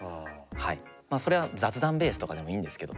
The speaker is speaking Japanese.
まあそれは雑談ベースとかでもいいんですけど。